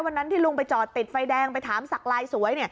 วันนั้นที่ลุงไปจอดติดไฟแดงไปถามสักลายสวย